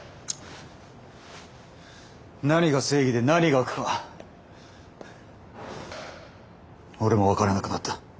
何が正義で何が悪か俺も分からなくなった。